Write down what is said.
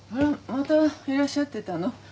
またいらっしゃってたの？